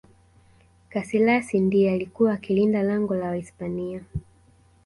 kasilas ndiye alikuwa akilinda langu la wahispania